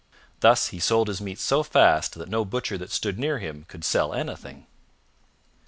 Thus he sold his meat so fast that no butcher that stood near him could sell anything.